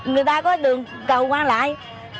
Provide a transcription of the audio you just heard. người ta có đường cầu qua lại